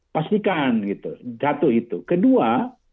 pastikan gitu jatuh itu kedua